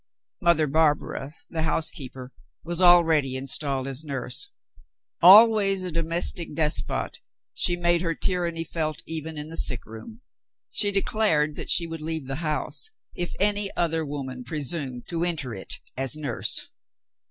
Mother Barbara, the housekeeper, was already installed as nurse. Always a domestic despot, she made her tyranny felt even in the sick room. She declared that she would leave the house if any other woman presumed to enter it as nurse.